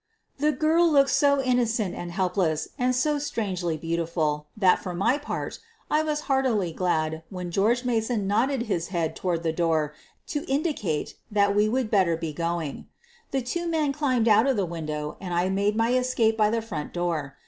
Tke girl looked so innocent and helpless and so QUEEN OF THE BURGLARS 233 strangely beautiful that, for my part, I was heartily glad when George Mason nodded his head toward the door to indicate that we would better be going. The two men climbed out of the window and I made my escape by the front door.